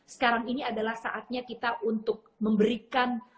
sekarang ini adalah saatnya kita untuk memberikan